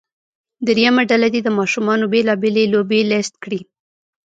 دریمه ډله دې د ماشومانو بیلا بېلې لوبې لیست کړي.